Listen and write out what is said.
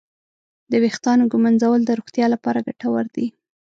د ویښتانو ږمنځول د روغتیا لپاره ګټور دي.